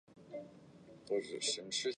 最近听说工厂要收掉了